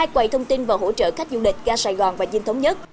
hai quầy thông tin và hỗ trợ khách du lịch ga sài gòn và dinh thống nhất